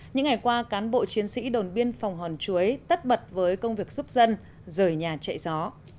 những ngày qua cán bộ chiến sĩ đồn biên phòng hòn chuối tất bật với công việc giúp dân rời nhà chạy gió